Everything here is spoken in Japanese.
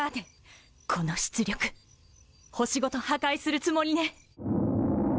この出力星ごと破壊するつもりね。